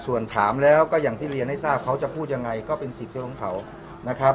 ส่วนถามอย่างที่เรียนให้ทราบเขาจะพูดอย่างไรก็เป็นสิทธิ์เจ้าผ้า